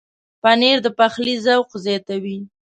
پنېر د پخلي ذوق زیاتوي.